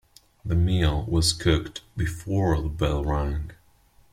The meal was cooked before the bell rang.